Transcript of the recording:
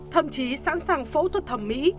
thậm chí sẵn sàng phẫu thuật thẩm mỹ